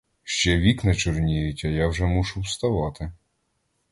Ще вікна чорніють, а я вже мушу вставати.